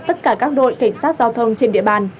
tất cả các đội cảnh sát giao thông trên địa bàn